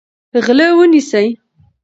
غله ونیسئ.